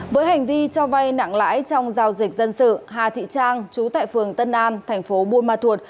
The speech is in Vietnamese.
với hành vi cho vay nặng lãi trong giao dịch dân sự hà thị trang chú tại phường tân an thành phố buôn ma thuột